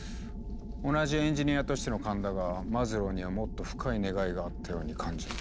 同じエンジニアとしての勘だがマズローにはもっと深い願いがあったように感じる。